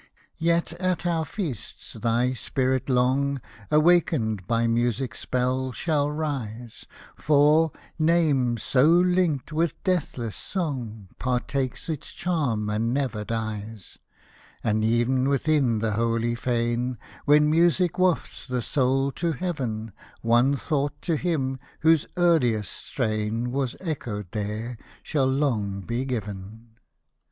Yet, at our feasts, thy spirit long. Awaked by music's spell, shall rise ; For, name so linked with deathless song Partakes its charm and never dies : And ev'n within the holy fane, When music wafts the soul to heaven, One thought to him, whose earliest strain Was echoed there, shall long be given.